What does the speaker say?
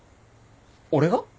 俺が？